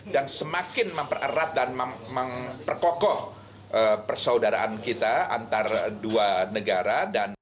dan semakin mempererat dan memperkokoh persaudaraan kita antara dua negara